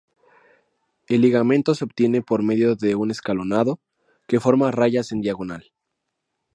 El ligamento se obtiene por medio de un escalonado, que forma rayas en diagonal.